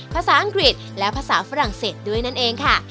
ภาษาอังกฤษและภาษาฝรั่งเศสด้วยนั่นเองค่ะ